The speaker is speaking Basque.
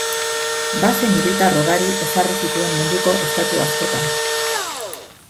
Base militar ugari ezarri zituen munduko estatu askotan.